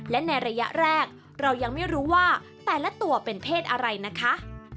และในระยะแรกเรายังไม่รู้ว่าแต่ละตัวเป็นเพศอะไรนะคะ